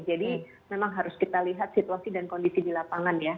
jadi memang harus kita lihat situasi dan kondisi di lapangan ya